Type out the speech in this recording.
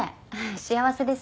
幸せですよ。